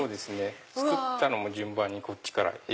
作ったのも順番にこっちから。